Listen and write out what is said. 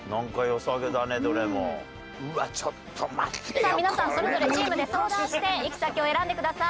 さあ皆さんそれぞれチームで相談して行き先を選んでください。